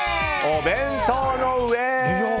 お弁当の上！